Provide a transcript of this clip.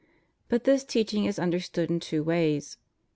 But this teaching is understood in two ways.